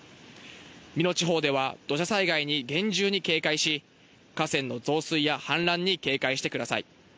美濃地方では、土砂災害に厳重に警戒し、河川の増水や氾濫に警戒してください。